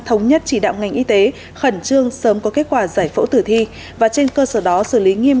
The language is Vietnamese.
thống nhất chỉ đạo ngành y tế khẩn trương sớm có kết quả giải phẫu tử thi và trên cơ sở đó xử lý nghiêm